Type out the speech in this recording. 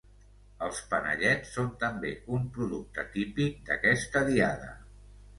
Els panellets són també un producte típic d’aquesta diada.